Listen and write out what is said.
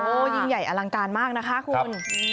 โอ้โหยิ่งใหญ่อลังการมากนะคะคุณ